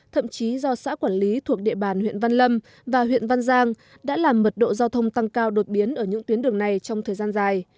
thậm chí do xã quản lý thuộc địa bàn huyện văn lâm và huyện văn giang đã làm mật độ giao thông tăng cao đột biến ở những tuyến đường này trong thời gian dài